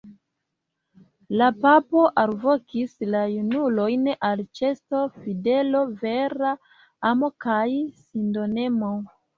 La papo alvokis la junulojn al ĉasto, fidelo, vera amo kaj sindonemo.